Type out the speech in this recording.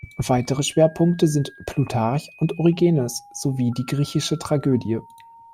Weitere Schwerpunkte sind Plutarch und Origenes sowie die griechische Tragödie.